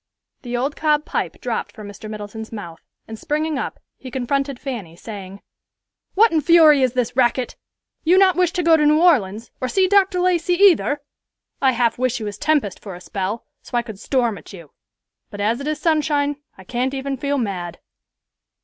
The old cob pipe dropped from Mr. Middleton's mouth, and springing up, he confronted Fanny, saying, "What in fury is this racket? You not wish to go to New Orleans, or see Dr. Lacey either! I half wish you was Tempest for a spell, so I could storm at you; but as it is Sunshine, I can't even feel mad."